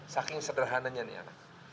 saking sederhananya ini anak